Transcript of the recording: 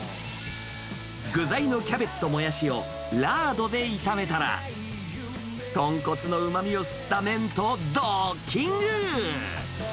具材のキャベツとモヤシをラードで炒めたら、豚骨のうまみを吸った麺とドッキング。